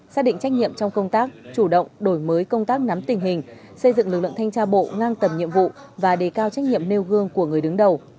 xác định trách nhiệm trong công tác chủ động đổi mới công tác nắm tình hình xây dựng lực lượng thanh tra bộ ngang tầm nhiệm vụ và đề cao trách nhiệm nêu gương của người đứng đầu